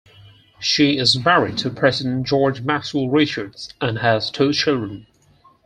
She is married to President George Maxwell Richards and has two children.